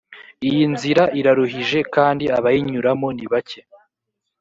iyi nzira iraruhije kandi abayinyuramo ni bake